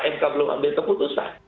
mk belum ambil keputusan